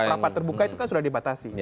rapat terbuka itu kan sudah dibatasi